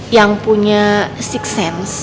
yang punya enam sense